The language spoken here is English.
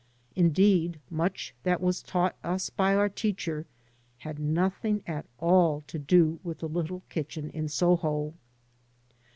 Indeed, much that was taught us by our teacher had nothing at all to do with the little kitchen in Soho.